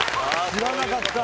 知らなかった。